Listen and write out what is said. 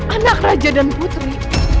anak raja dan putri